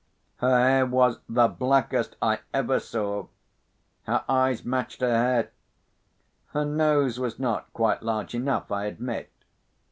Her hair was the blackest I ever saw. Her eyes matched her hair. Her nose was not quite large enough, I admit.